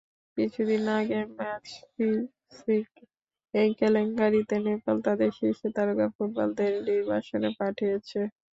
কিছুদিন আগেই match fixing কেলেঙ্কারিতে নেপাল তাদের শীর্ষ তারকা ফুটবলারদের নির্বাসনে পাঠিয়েছে।